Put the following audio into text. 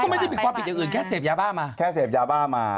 ก็ไม่ได้มีความผิดอย่างอื่นแค่เสพยาบ้ามา